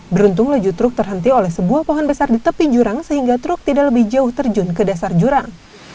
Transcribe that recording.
beruntung laju truk terhenti oleh sebuah pohon besar di tepi jurang sehingga truk tidak lebih jauh terjun ke dasar jurang